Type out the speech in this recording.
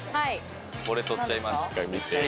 これ取っちゃいます。